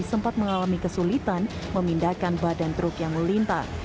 sempat mengalami kesulitan memindahkan badan truk yang melintas